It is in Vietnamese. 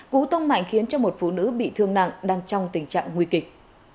cú tông mạnh khiến cho một phụ nữ bị thương nặng đang trong tình trạng nguy kịch